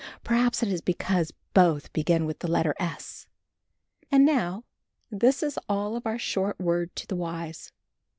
Perhaps it is because both begin with the letter S. And now this is all of our short word to the wise.